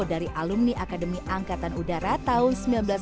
dari alumni akademi angkatan udara tahun seribu sembilan ratus sembilan puluh